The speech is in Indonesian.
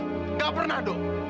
nggak pernah dok